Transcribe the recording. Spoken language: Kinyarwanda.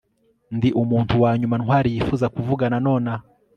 ndi umuntu wanyuma ntwali yifuza kuvugana nonaha